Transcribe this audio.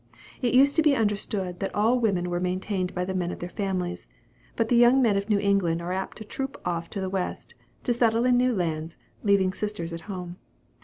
It used to be understood there that all women were maintained by the men of their families; but the young men of New England are apt to troop off into the West, to settle in new lands, leaving sisters at home.